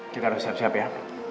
kita harus siap siap ya